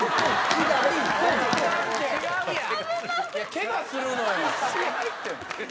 ケガするのよ。